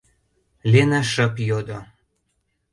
— Лена шып йодо.